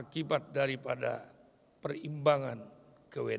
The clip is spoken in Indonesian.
dengan sudah setengah dari melihat points dan teman teman lain